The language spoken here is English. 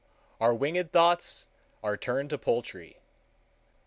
Our winged thoughts are turned to poultry.